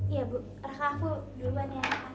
iya bu reka aku duluan ya